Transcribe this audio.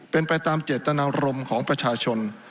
เป็นไปตามเจตนารมณ์ของประชาชน